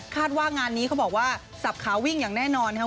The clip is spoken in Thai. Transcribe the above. ว่างานนี้เขาบอกว่าสับขาวิ่งอย่างแน่นอนนะครับ